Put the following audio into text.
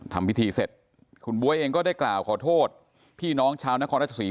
ทำพิธีเสร็จคุณบ๊วยเองก็ได้กล่าวขอโทษพี่น้องชาวนครราชศรี